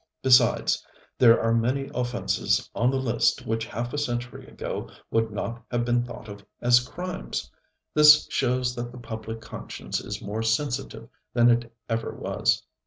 Besides, there are many offences on the list which half a century ago would not have been thought of as crimes. This shows that the public conscience is more sensitive than it ever was.